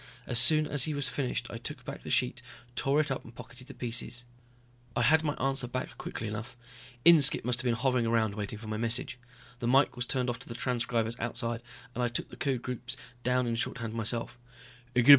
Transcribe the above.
As soon as he was finished I took back the sheet, tore it up and pocketed the pieces. I had my answer back quickly enough, Inskipp must have been hovering around waiting for my message. The mike was turned off to the transcribers outside, and I took the code groups down in shorthand myself.